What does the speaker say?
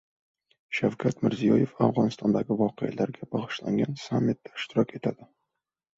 Shavkat Mirziyoev Afg‘onistondagi voqealarga bag‘ishlangan sammitda ishtirok etadi